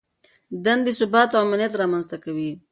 دندې ثبات او امنیت رامنځته کوي.